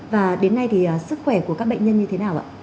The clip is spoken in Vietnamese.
và đến nay thì sức khỏe của các bệnh nhân như thế nào ạ